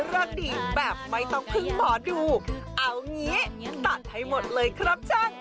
ดีแบบไม่ต้องพึ่งหมอดูเอางี้ตัดให้หมดเลยครับช่าง